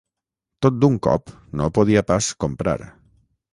Tot d'un cop no ho podia pas comprar